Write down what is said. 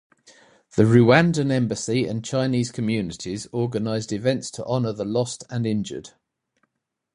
The Rwandan embassy and Chinese communities organized events to honor the lost and injured.